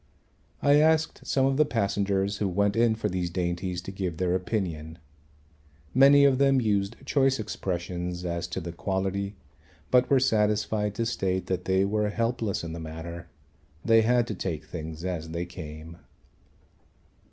I asked some of the passengers who went in for these dainties to give their opinion. Many of them used choice expressions as to the quality but were satisfied to state that they were helpless in the matter; they had to take things as they came.